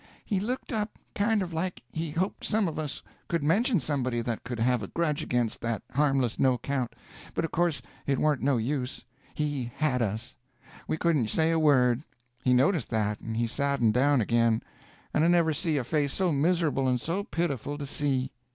He looked up kind of like he hoped some of us could mention somebody that could have a grudge against that harmless no account, but of course it warn't no use—he had us; we couldn't say a word. He noticed that, and he saddened down again, and I never see a face so miserable and so pitiful to see.